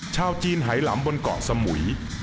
ชาวจีนไหลำบนเกาะสมุย